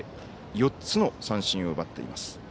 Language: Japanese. ４つの三振を奪っています。